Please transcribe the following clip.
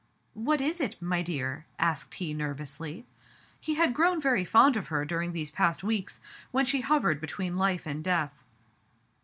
*'What is it, my dear?" asked he nervously. He had grown very fond of her during these past weeks, when she hovered between life and death.